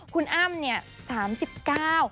คุณอ้ำเนี่ยสามสิบเก้า